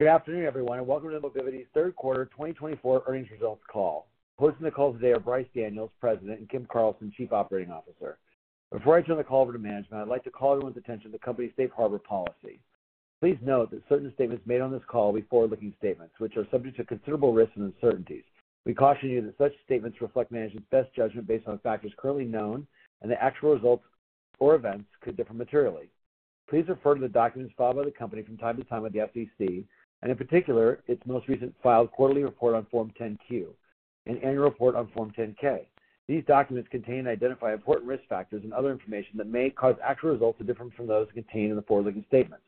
Good afternoon, everyone, and welcome to Mobivity's third quarter 2024 earnings results call. Hosting the call today are Bryce Daniels, President, and Kim Carlson, Chief Operating Officer. Before I turn the call over to management, I'd like to call everyone's attention to the company's safe harbor policy. Please note that certain statements made on this call will be forward-looking statements, which are subject to considerable risks and uncertainties. We caution you that such statements reflect management's best judgment based on factors currently known, and the actual results or events could differ materially. Please refer to the documents filed by the company from time to time with the SEC and in particular, its most recent filed quarterly report on Form 10-Q and annual report on Form 10-K. These documents contain and identify important risk factors and other information that may cause actual results to differ from those contained in the forward-looking statements.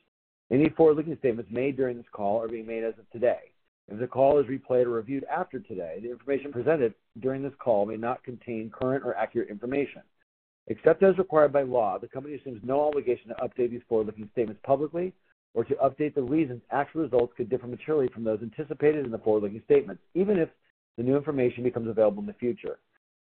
Any forward-looking statements made during this call are being made as of today. If the call is replayed or reviewed after today, the information presented during this call may not contain current or accurate information. Except as required by law, the company assumes no obligation to update these forward-looking statements publicly or to update the reasons actual results could differ materially from those anticipated in the forward-looking statements, even if the new information becomes available in the future.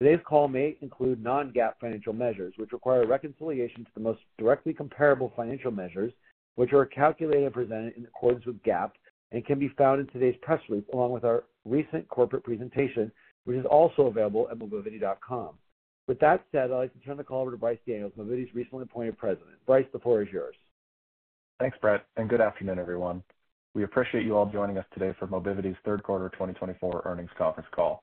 Today's call may include non-GAAP financial measures, which require reconciliation to the most directly comparable financial measures, which are calculated and presented in accordance with GAAP and can be found in today's press release along with our recent corporate presentation, which is also available at mobivity.com. With that said, I'd like to turn the call over to Bryce Daniels, Mobivity's recently appointed President. Bryce, the floor is yours. Thanks, Brett, and good afternoon, everyone. We appreciate you all joining us today for Mobivity's third quarter 2024 earnings conference call.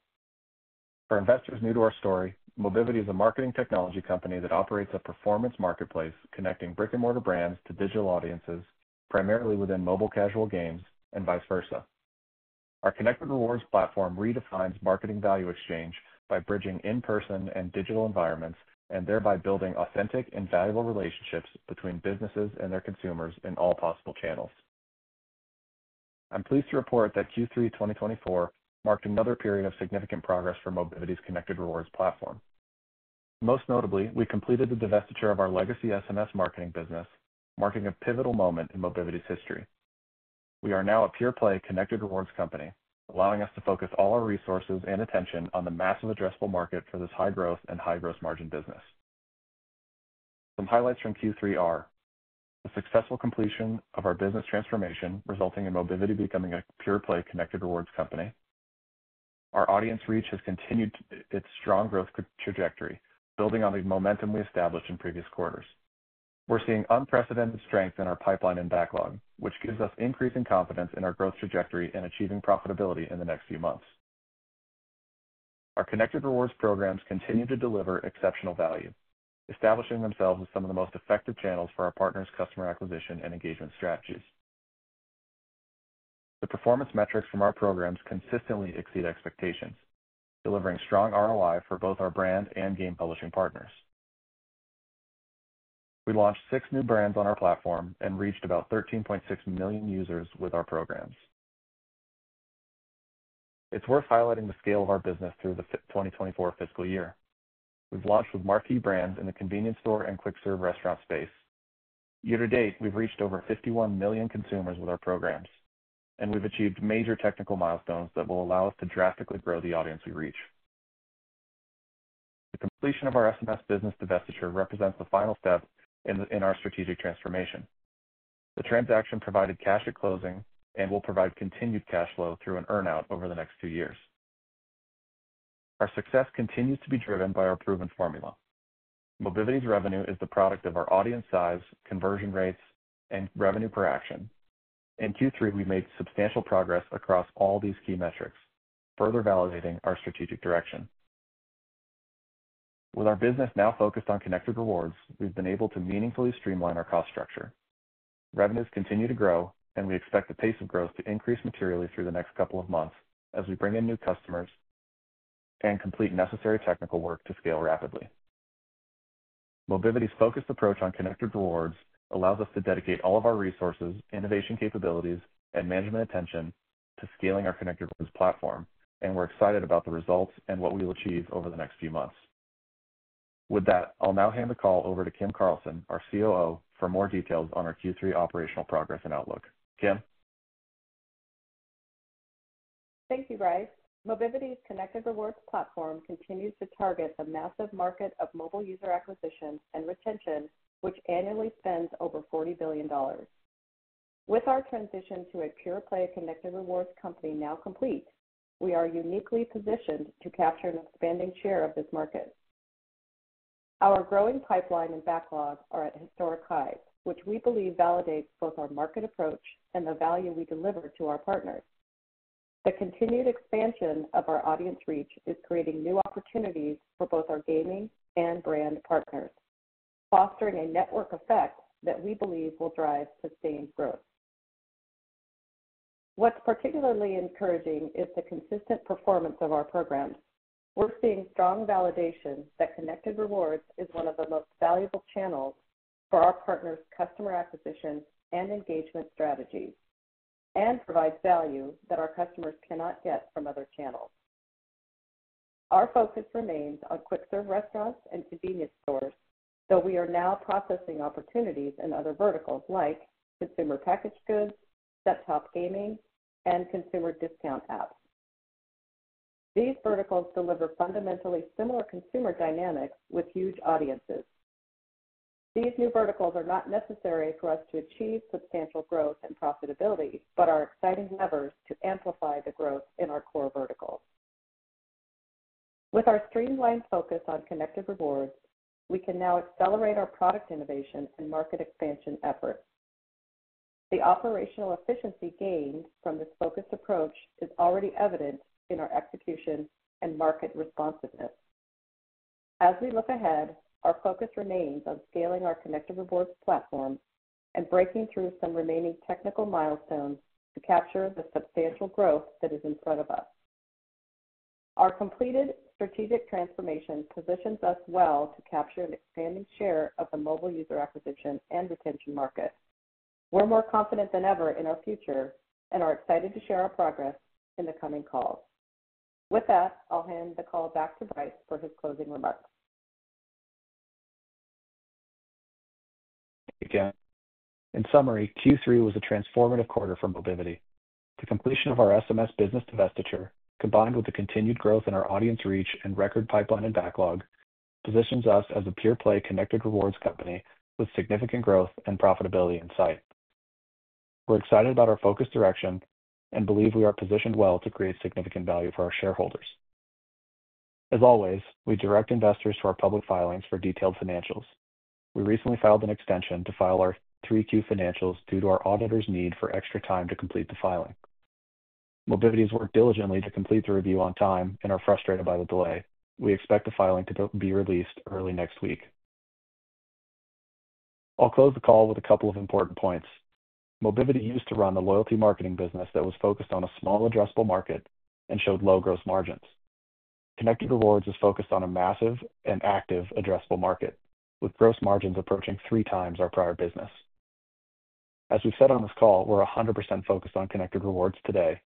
For investors new to our story, Mobivity is a marketing technology company that operates a performance marketplace connecting brick-and-mortar brands to digital audiences, primarily within mobile casual games and vice versa. Our Connected Rewards platform redefines marketing value exchange by bridging in-person and digital environments and thereby building authentic and valuable relationships between businesses and their consumers in all possible channels. I'm pleased to report that Q3 2024 marked another period of significant progress for Mobivity's Connected Rewards platform. Most notably, we completed the divestiture of our legacy SMS marketing business, marking a pivotal moment in Mobivity's history. We are now a pure-play Connected Rewards company, allowing us to focus all our resources and attention on the massive addressable market for this high-growth and high-gross margin business. Some highlights from Q3 are the successful completion of our business transformation, resulting in Mobivity becoming a pure-play Connected Rewards company. Our audience reach has continued its strong growth trajectory, building on the momentum we established in previous quarters. We're seeing unprecedented strength in our pipeline and backlog, which gives us increasing confidence in our growth trajectory and achieving profitability in the next few months. Our Connected Rewards programs continue to deliver exceptional value, establishing themselves as some of the most effective channels for our partners' customer acquisition and engagement strategies. The performance metrics from our programs consistently exceed expectations, delivering strong ROI for both our brand and game publishing partners. We launched six new brands on our platform and reached about 13.6 million users with our programs. It's worth highlighting the scale of our business through the 2024 fiscal year. We've launched with marquee brands in the convenience store and quick-serve restaurant space. Year to date, we've reached over 51 million consumers with our programs, and we've achieved major technical milestones that will allow us to drastically grow the audience we reach. The completion of our SMS business divestiture represents the final step in our strategic transformation. The transaction provided cash at closing and will provide continued cash flow through an earn-out over the next two years. Our success continues to be driven by our proven formula. Mobivity's revenue is the product of our audience size, conversion rates, and revenue per action. In Q3, we made substantial progress across all these key metrics, further validating our strategic direction. With our business now focused on Connected Rewards, we've been able to meaningfully streamline our cost structure. Revenues continue to grow, and we expect the pace of growth to increase materially through the next couple of months as we bring in new customers and complete necessary technical work to scale rapidly. Mobivity's focused approach on Connected Rewards allows us to dedicate all of our resources, innovation capabilities, and management attention to scaling our Connected Rewards platform, and we're excited about the results and what we'll achieve over the next few months. With that, I'll now hand the call over to Kim Carlson, our Chief Operating Officer, for more details on our Q3 operational progress and outlook. Kim. Thank you, Bryce. Mobivity's Connected Rewards platform continues to target the massive market of mobile user acquisition and retention, which annually spends over $40 billion. With our transition to a pure-play Connected Rewards company now complete, we are uniquely positioned to capture an expanding share of this market. Our growing pipeline and backlog are at historic highs, which we believe validates both our market approach and the value we deliver to our partners. The continued expansion of our audience reach is creating new opportunities for both our gaming and brand partners, fostering a network effect that we believe will drive sustained growth. What's particularly encouraging is the consistent performance of our programs. We're seeing strong validation that Connected Rewards is one of the most valuable channels for our partners' customer acquisition and engagement strategies and provides value that our customers cannot get from other channels. Our focus remains on quick-serve restaurants and convenience stores, though we are now processing opportunities in other verticals like consumer packaged goods, desktop gaming, and consumer discount apps. These verticals deliver fundamentally similar consumer dynamics with huge audiences. These new verticals are not necessary for us to achieve substantial growth and profitability, but are exciting levers to amplify the growth in our core verticals. With our streamlined focus on Connected Rewards, we can now accelerate our product innovation and market expansion efforts. The operational efficiency gained from this focused approach is already evident in our execution and market responsiveness. As we look ahead, our focus remains on scaling our Connected Rewards platform and breaking through some remaining technical milestones to capture the substantial growth that is in front of us. Our completed strategic transformation positions us well to capture an expanding share of the mobile user acquisition and retention market. We're more confident than ever in our future and are excited to share our progress in the coming call. With that, I'll hand the call back to Bryce for his closing remarks. Thank you, Kim. In summary, Q3 was a transformative quarter for Mobivity. The completion of our SMS business divestiture, combined with the continued growth in our audience reach and record pipeline and backlog, positions us as a pure-play Connected Rewards company with significant growth and profitability in sight. We're excited about our focused direction and believe we are positioned well to create significant value for our shareholders. As always, we direct investors to our public filings for detailed financials. We recently filed an extension to file our 3Q financials due to our auditor's need for extra time to complete the filing. Mobivity has worked diligently to complete the review on time and are frustrated by the delay. We expect the filing to be released early next week. I'll close the call with a couple of important points. Mobivity used to run a loyalty marketing business that was focused on a small addressable market and showed low gross margins. Connected Rewards is focused on a massive and active addressable market, with gross margins approaching three times our prior business. As we've said on this call, we're 100% focused on Connected Rewards today.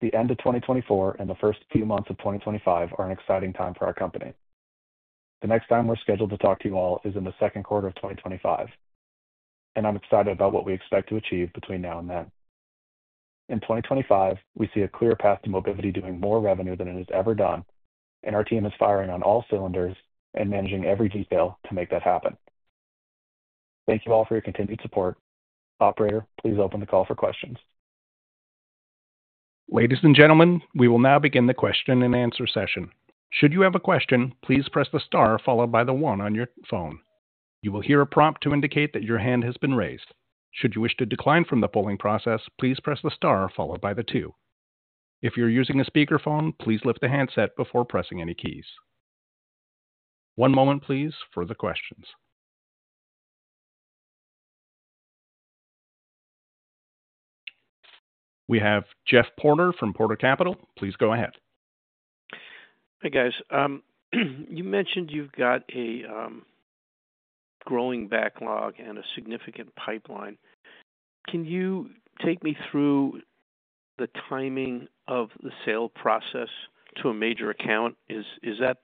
The end of 2024 and the first few months of 2025 are an exciting time for our company. The next time we're scheduled to talk to you all is in the second quarter of 2025, and I'm excited about what we expect to achieve between now and then. In 2025, we see a clear path to Mobivity doing more revenue than it has ever done, and our team is firing on all cylinders and managing every detail to make that happen. Thank you all for your continued support. Operator, please open the call for questions. Ladies and gentlemen, we will now begin the question and answer session. Should you have a question, please press the star followed by the one on your phone. You will hear a prompt to indicate that your hand has been raised. Should you wish to decline from the polling process, please press the star followed by the two. If you're using a speakerphone, please lift the handset before pressing any keys. One moment, please, for the questions. We have Jeff Porter from Porter Capital. Please go ahead. Hey, guys. You mentioned you've got a growing backlog and a significant pipeline. Can you take me through the timing of the sale process to a major account? Is that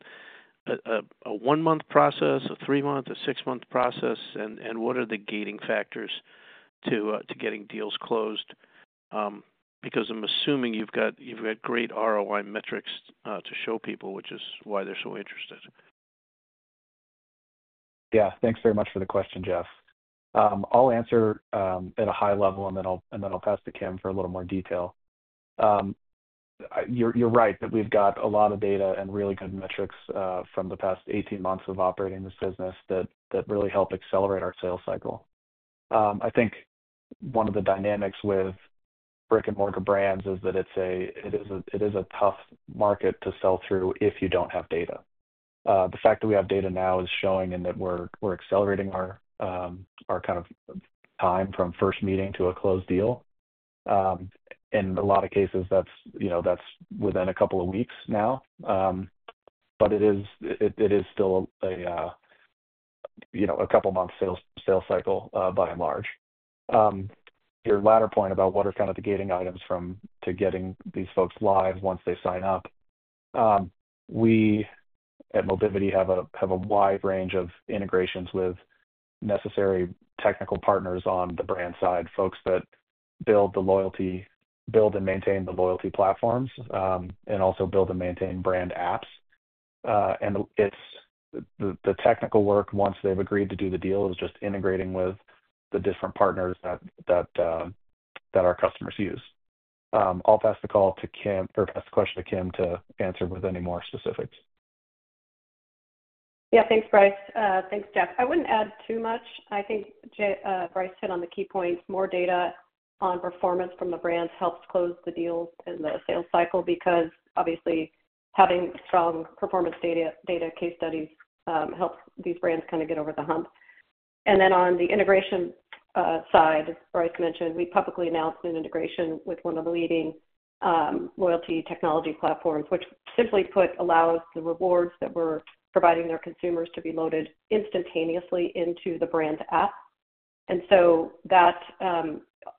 a one-month process, a three-month, a six-month process? And what are the gating factors to getting deals closed? Because I'm assuming you've got great ROI metrics to show people, which is why they're so interested. Yeah. Thanks very much for the question, Jeff. I'll answer at a high level, and then I'll pass to Kim for a little more detail. You're right that we've got a lot of data and really good metrics from the past 18 months of operating this business that really help accelerate our sales cycle. I think one of the dynamics with brick-and-mortar brands is that it is a tough market to sell through if you don't have data. The fact that we have data now is showing that we're accelerating our kind of time from first meeting to a closed deal. In a lot of cases, that's within a couple of weeks now, but it is still a couple-month sales cycle by and large. Your latter point about what are kind of the gating items to getting these folks live once they sign up. We at Mobivity have a wide range of integrations with necessary technical partners on the brand side, folks that build and maintain the loyalty platforms and also build and maintain brand apps, and the technical work, once they've agreed to do the deal, is just integrating with the different partners that our customers use. I'll pass the question to Kim to answer with any more specifics. Yeah. Thanks, Bryce. Thanks, Jeff. I wouldn't add too much. I think Bryce hit on the key points. More data on performance from the brands helps close the deals and the sales cycle because, obviously, having strong performance data case studies helps these brands kind of get over the hump. And then on the integration side, Bryce mentioned, we publicly announced an integration with one of the leading loyalty technology platforms, which simply put allows the rewards that we're providing our consumers to be loaded instantaneously into the brand app. And so that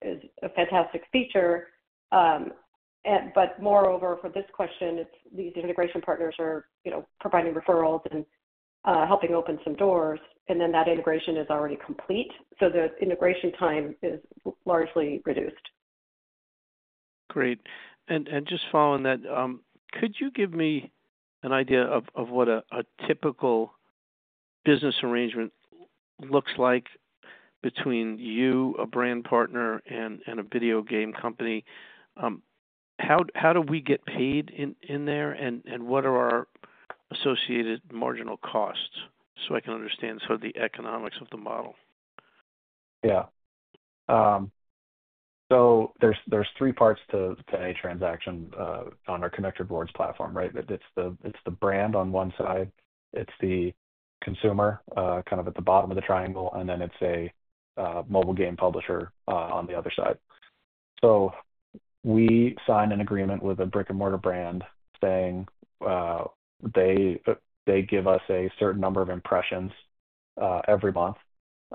is a fantastic feature. But moreover, for this question, these integration partners are providing referrals and helping open some doors, and then that integration is already complete. So the integration time is largely reduced. Great. And just following that, could you give me an idea of what a typical business arrangement looks like between you, a brand partner, and a video game company? How do we get paid in there, and what are our associated marginal costs? So I can understand sort of the economics of the model. Yeah. So there's three parts to a transaction on our Connected Rewards platform, right? It's the brand on one side. It's the consumer kind of at the bottom of the triangle, and then it's a mobile game publisher on the other side. So we sign an agreement with a brick-and-mortar brand saying they give us a certain number of impressions every month.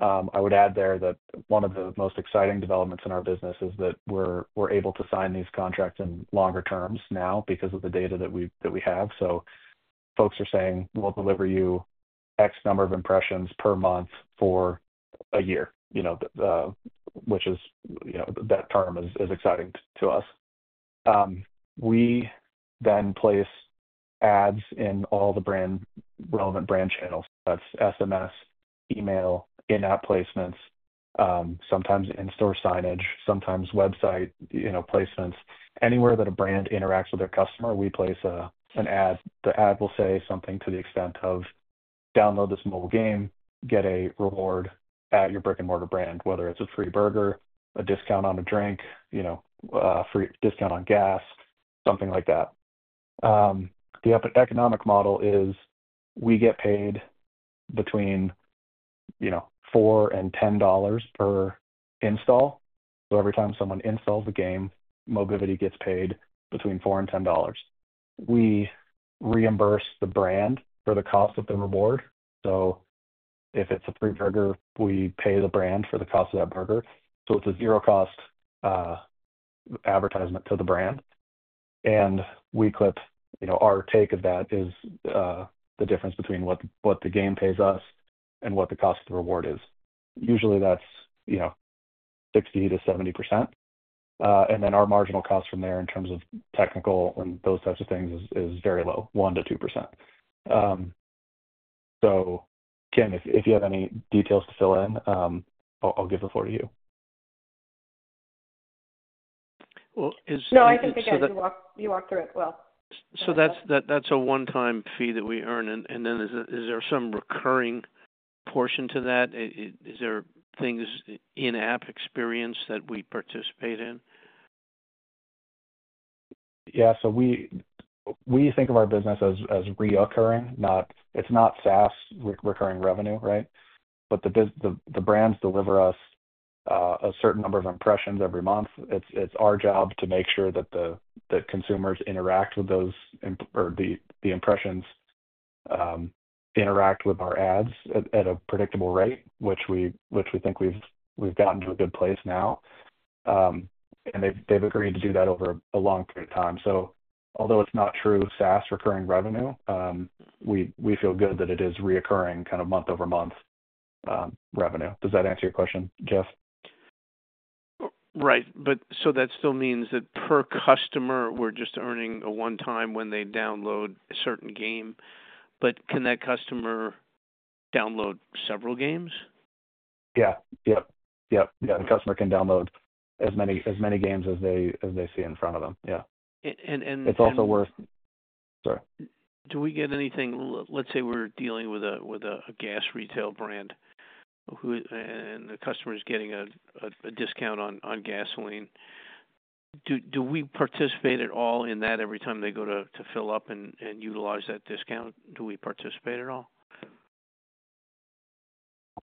I would add there that one of the most exciting developments in our business is that we're able to sign these contracts in longer terms now because of the data that we have. So folks are saying, "We'll deliver you X number of impressions per month for a year," which is that term is exciting to us. We then place ads in all the relevant brand channels. That's SMS, email, in-app placements, sometimes in-store signage, sometimes website placements. Anywhere that a brand interacts with their customer, we place an ad. The ad will say something to the extent of, "Download this mobile game, get a reward at your brick-and-mortar brand," whether it's a free burger, a discount on a drink, a discount on gas, something like that. The economic model is we get paid between $4 and $10 per install. So every time someone installs the game, Mobivity gets paid between $4 and $10. We reimburse the brand for the cost of the reward. So if it's a free burger, we pay the brand for the cost of that burger. So it's a zero-cost advertisement to the brand. And our take of that is the difference between what the game pays us and what the cost of the reward is. Usually, that's 60%-70%. Then our marginal cost from there in terms of technical and those types of things is very low, o%-two%. Kim, if you have any details to fill in, I'll give the floor to you. Is there? No, I can figure it out. You walk through it well. So that's a one-time fee that we earn. And then is there some recurring portion to that? Is there things in-app experience that we participate in? Yeah. So we think of our business as reoccurring. It's not SaaS recurring revenue, right? But the brands deliver us a certain number of impressions every month. It's our job to make sure that consumers interact with those or the impressions interact with our ads at a predictable rate, which we think we've gotten to a good place now. And they've agreed to do that over a long period of time. So although it's not true SaaS recurring revenue, we feel good that it is reoccurring kind of month-over-month revenue. Does that answer your question, Jeff? Right. So that still means that per customer, we're just earning a one-time when they download a certain game. But can that customer download several games? The customer can download as many games as they see in front of them. It's also worth. And. Sorry. Do we get anything? Let's say we're dealing with a gas retail brand, and the customer is getting a discount on gasoline. Do we participate at all in that every time they go to fill up and utilize that discount? Do we participate at all?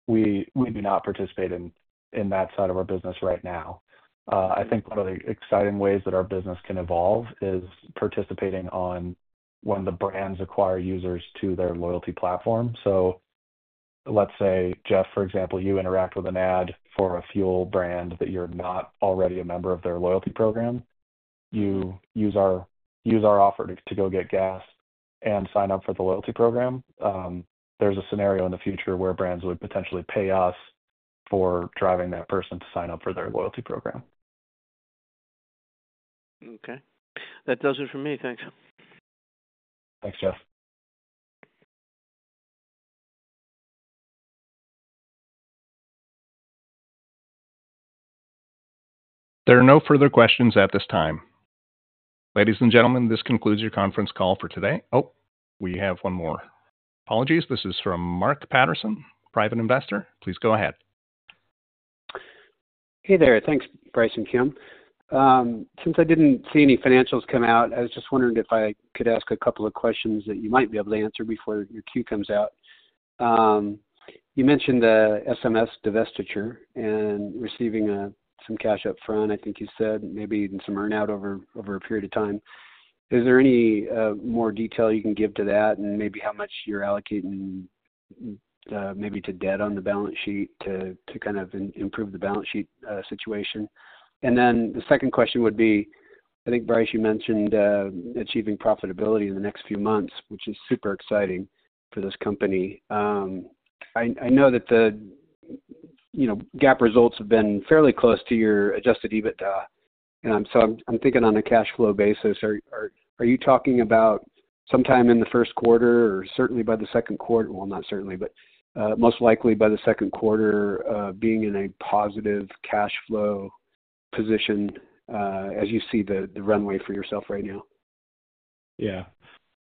We do not participate in that side of our business right now. I think one of the exciting ways that our business can evolve is participating on when the brands acquire users to their loyalty platform. So let's say, Jeff, for example, you interact with an ad for a fuel brand that you're not already a member of their loyalty program. You use our offer to go get gas and sign up for the loyalty program. There's a scenario in the future where brands would potentially pay us for driving that person to sign up for their loyalty program. Okay. That does it for me. Thanks. Thanks, Jeff. There are no further questions at this time. Ladies and gentlemen, this concludes your conference call for today. Oh, we have one more. Apologies. This is from Mark Patterson, private investor. Please go ahead. Hey there. Thanks, Bryce and Kim. Since I didn't see any financials come out, I was just wondering if I could ask a couple of questions that you might be able to answer before your Q comes out. You mentioned the SMS divestiture and receiving some cash upfront, I think you said, maybe even some earn-out over a period of time. Is there any more detail you can give to that and maybe how much you're allocating maybe to debt on the balance sheet to kind of improve the balance sheet situation? And then the second question would be, I think, Bryce, you mentioned achieving profitability in the next few months, which is super exciting for this company. I know that the GAAP results have been fairly close to your adjusted EBITDA. So I'm thinking on a cash flow basis. Are you talking about sometime in the first quarter or certainly by the second quarter? Well, not certainly, but most likely by the second quarter being in a positive cash flow position as you see the runway for yourself right now? Yeah.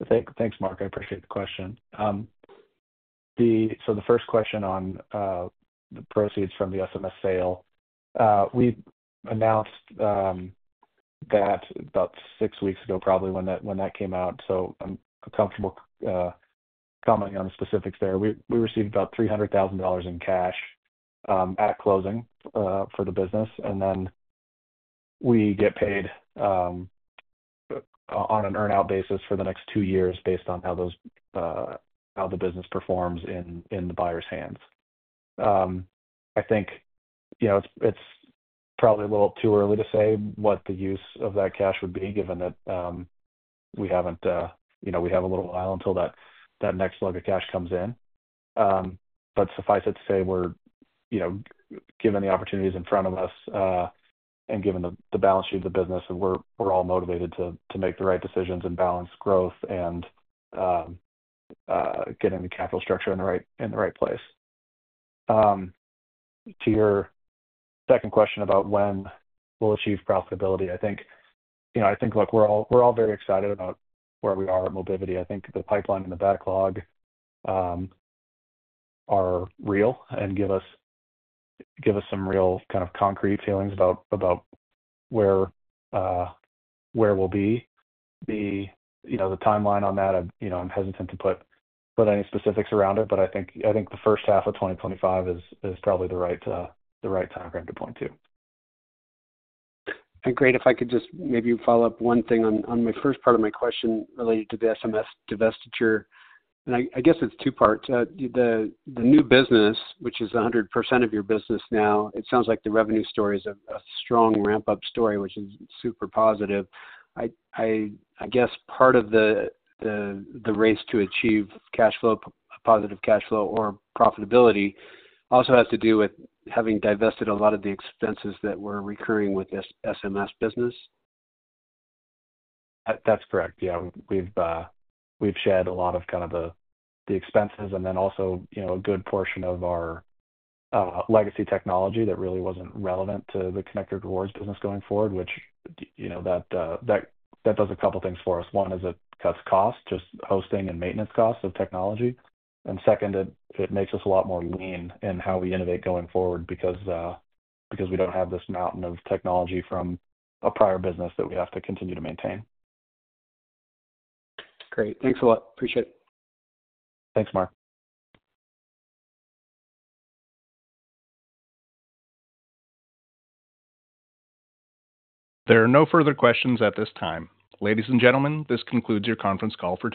Thanks, Mark. I appreciate the question. So the first question on the proceeds from the SMS sale, we announced that about six weeks ago, probably when that came out. So I'm comfortable commenting on the specifics there. We received about $300,000 in cash at closing for the business. And then we get paid on an earn-out basis for the next two years based on how the business performs in the buyer's hands. I think it's probably a little too early to say what the use of that cash would be, given that we have a little while until that next slug of cash comes in. But suffice it to say, given the opportunities in front of us and given the balance sheet of the business, we're all motivated to make the right decisions and balance growth and get in the capital structure in the right place. To your second question about when we'll achieve profitability, I think, look, we're all very excited about where we are at Mobivity. I think the pipeline and the backlog are real and give us some real kind of concrete feelings about where we'll be. The timeline on that, I'm hesitant to put any specifics around it, but I think the first half of 2025 is probably the right time frame to point to. Great. If I could just maybe follow up one thing on my first part of my question related to the SMS divestiture. I guess it's two-part. The new business, which is 100% of your business now, it sounds like the revenue story is a strong ramp-up story, which is super positive. I guess part of the race to achieve positive cash flow or profitability also has to do with having divested a lot of the expenses that were recurring with this SMS business. That's correct. Yeah. We've shed a lot of kind of the expenses and then also a good portion of our legacy technology that really wasn't relevant to the Connected Rewards business going forward, which that does a couple of things for us. One is it cuts costs, just hosting and maintenance costs of technology. And second, it makes us a lot more lean in how we innovate going forward because we don't have this mountain of technology from a prior business that we have to continue to maintain. Great. Thanks a lot. Appreciate it. Thanks, Mark. There are no further questions at this time. Ladies and gentlemen, this concludes your conference call for.